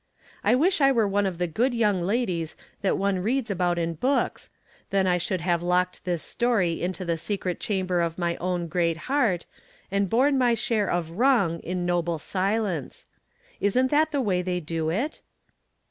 I wish I were one of the good young la dies that one reads about in books, then I should have locked tliis story into the secret chamber of my own great heart, and borne my share of wrong in noble silence. Isn't that the way they do it